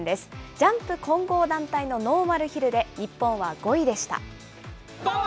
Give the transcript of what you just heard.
ジャンプ混合団体のノーマルヒルで日本は５位でした。